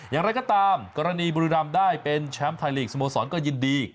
อย่างไรก็ตามกรณีบุรีรำได้เป็นแชมป์ไทยลีกสโมสรก็ยินดี